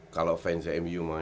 kalau fans cmu mah